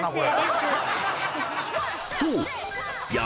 ［そう］